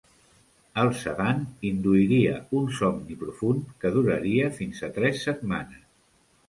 El sedant induiria un somni profund que duraria fins a tres setmanes.